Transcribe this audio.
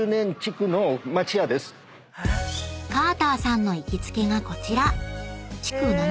［カーターさんの行きつけがこちら］